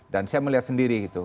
dan saya melihat sendiri gitu